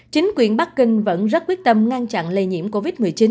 chính quyền bắc kinh vẫn rất quyết tâm ngăn chặn lây nhiễm covid một mươi chín